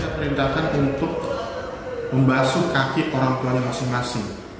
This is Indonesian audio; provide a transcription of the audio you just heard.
saya perintahkan untuk membasuh kaki orang tuanya masing masing